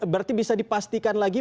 berarti bisa dipastikan lagi